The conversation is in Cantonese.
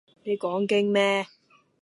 你講經咩？